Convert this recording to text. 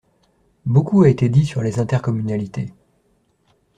Beaucoup a été dit sur les intercommunalités.